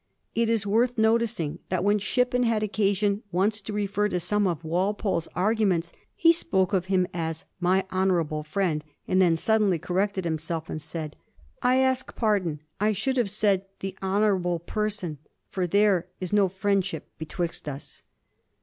It is worth noticing that when Shippen had occasion once to refer to some of Walpole's arguments he spoke of him as ^ my honourable Mend,' and then, suddenly correcting himself, said, * I ask pardon ; I should have said the honourable person, for there is no friendship betwixt us.'